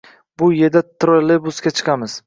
Shu yerda trolleybusga chiqamiz.